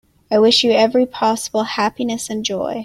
I wish you every possible happiness and joy.